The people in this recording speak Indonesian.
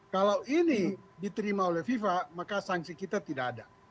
kalau ini diterima oleh fifa maka sanksi kita tidak ada